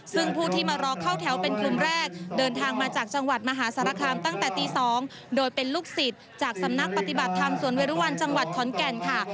ซึ่งผู้ที่มารอเข้าแถวเป็นกลุ่มแรกเดินทางมาจากจังหวัดมหาสารคามตั้งแต่ตี๒โดยเป็นลูกศิษย์จากสำนักปฏิบัติธรรมสวนเวรุวันจังหวัดขอนแก่นค่ะ